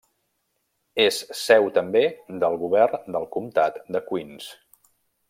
És seu també del govern del Comtat de Queens.